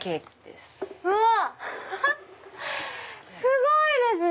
すごいですね！